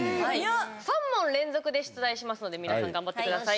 ３問、連続で出題しますので皆さん頑張ってください。